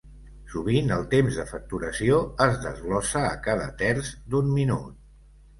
Sovint el temps de facturació es desglossa a cada terç d'un minut.